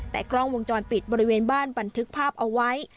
แต่กล้องวงจรปิดบริเวณบ้านบันทึกภาพเอาไว้